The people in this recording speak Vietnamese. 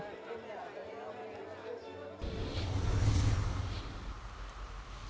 điện biên phủ